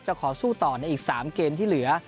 ขอสู้ต่อในอีก๓เกมที่เหลือ